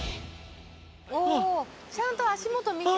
ちゃんと足元見て。